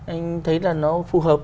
anh thấy là nó phù hợp